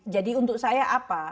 jadi untuk saya apa